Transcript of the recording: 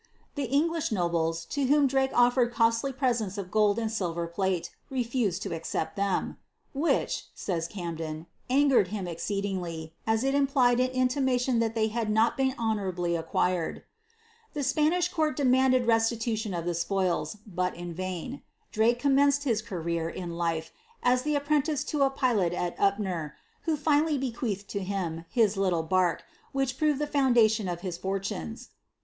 The English nobler, to whom Drake offered costly presents of gold and silver plate, refused to accept them ;" which," says Camden, '^ angered him exceedingly, as i> implied an intimation that they had not been honourablv acquired." The Spanish court demanded restitution of the spoils, but in v Drake commenced his career in nor, who finally bequeathed lo h foun<!aiion of his fortunes.